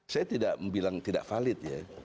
saya tidak bilang tidak valid ya